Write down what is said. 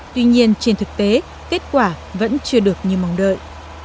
tuy nhiên trên thực tế kết quả vẫn chưa được như mong đợi